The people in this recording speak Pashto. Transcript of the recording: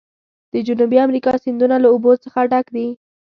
د جنوبي امریکا سیندونه له اوبو څخه ډک دي.